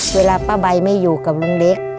เวลาป้าใบไม่อยู่กับลุงเล็ก